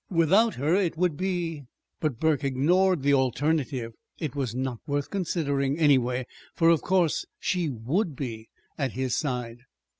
Without her it would be But Burke ignored the alternative. It was not worth considering, anyway, for of course she would be at his side.